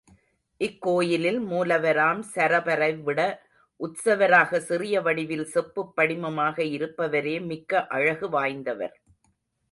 இக்கோயிலில் மூலவராம் சரபரை விட, உத்சவராக சிறிய வடிவில் செப்புப் படிமமாக இருப்பவரே மிக்க அழகு வாய்ந்தவர்.